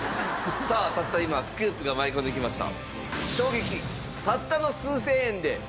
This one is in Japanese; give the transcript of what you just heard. さあたった今スクープが舞い込んできました。